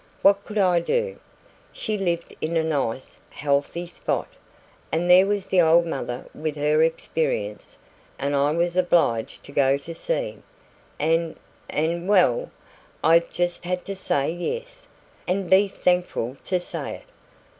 What COULD I do? She lived in a nice, healthy spot, and there was the old mother with her experience, and I was obliged to go to sea; and and well, I just had to say "yes", and be thankful to say it.